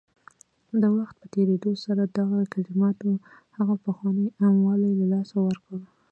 د وخت په تېرېدو سره دغه کلماتو هغه پخوانی عام والی له لاسه ورکړ